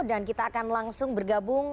dan kita akan langsung bergabung